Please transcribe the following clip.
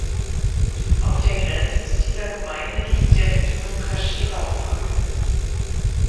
Auf der Grenze zu dieser Gemeinde liegt der Inokashira-Park.